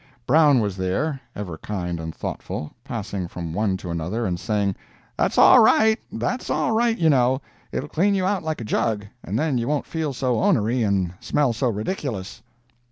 Brown was there, ever kind and thoughtful, passing from one to another and saying, "That's all right—that's all right, you know—it'll clean you out like a jug, and then you won't feel so onery and smell so ridiculous."